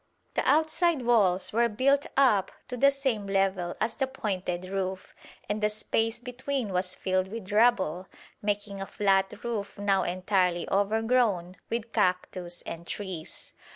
The outside walls were built up to the same level as the pointed roof, and the space between was filled with rubble, making a flat roof now entirely overgrown with cactus and trees.